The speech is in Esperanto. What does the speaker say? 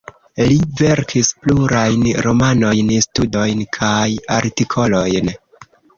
Li verkis plurajn romanojn, studojn kaj artikolojn.